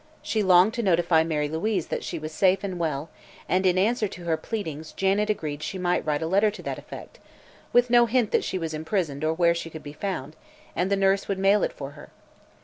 She longed to notify Mary Louise that she was safe and well and in answer to her pleadings Janet agreed she might write a letter to that effect, with no hint that she was imprisoned or where she could be found, and the nurse would mail it for her.